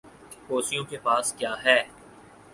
حوثیوں کے پاس کیا ہے؟